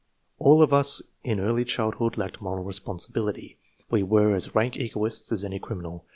All of us in early childhood lacked moral responsibility. We were as rank egoists as any criminal.